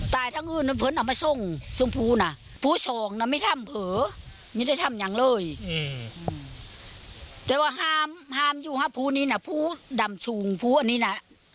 แต่ว่าห้ามห้ามอยู่ฮะภูนี้น่ะภูดำชูงภูอันนี้น่ะ